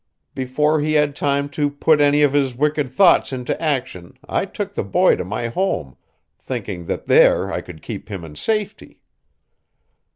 Before he had time to put any of his wicked thoughts into action I took the boy to my home, thinking that there I could keep him in safety.